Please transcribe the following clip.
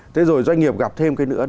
thế rồi doanh nghiệp gặp thêm cái nữa